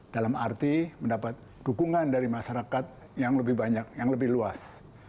dalam arti mendapatkan dukungan dari masyarakat yang lebih banyak yang lebih luas